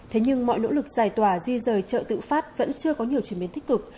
thế nhưng mọi nỗ lực giải tỏa di rời chợ tự phát vẫn chưa có nhiều chuyển biến tích cực